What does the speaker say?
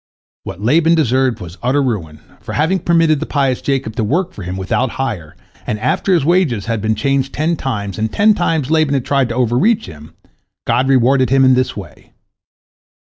What Laban deserved was utter ruin, for having permitted the pious Jacob to work for him without hire, and after his wages had been changed ten times, and ten times Laban had tried to overreach him, God rewarded him in this way.